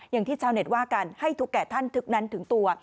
อย่างที่ชาวเน็ตว่ากันให้ทุกแก่ท่านทึกนั้นถึงตัว